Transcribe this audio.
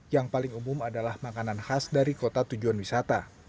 yang paling umum adalah makanan khas dari kota tujuan wisata